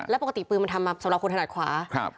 แล้วปกติปืนมันทำมาสำหรับคนถนัดขวา